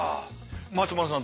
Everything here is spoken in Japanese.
松丸さん